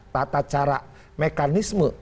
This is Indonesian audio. tata cara mekanisme